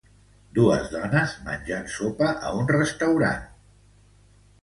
Dues dones menjant sopa a un restaurant.